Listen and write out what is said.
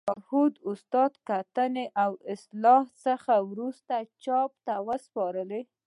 ما د لارښود استاد د کتنې او اصلاح څخه وروسته چاپ ته وسپاره